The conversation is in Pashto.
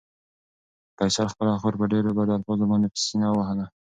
فیصل خپله خور په ډېرو بدو الفاظو باندې په سېنه ووهله.